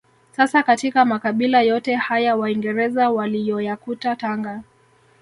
Sasa katika makabila yote haya waingereza waliyoyakuta Tanga